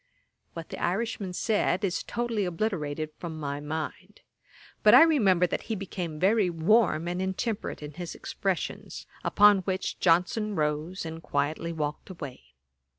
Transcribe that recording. What the Irishman said is totally obliterated from my mind; but I remember that he became very warm and intemperate in his expressions; upon which Johnson rose, and quietly walked away.